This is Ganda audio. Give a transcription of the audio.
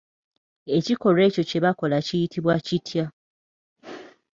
Ekikolwa ekyo kye bakola kiyitibwa kitya?